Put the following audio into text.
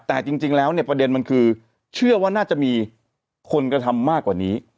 แต่จริงแล้วเนี่ยประเด็นมันคือเชื่อว่าน่าจะมีคนกระทำมากกว่านี้